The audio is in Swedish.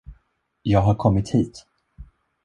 Jag har kommit hit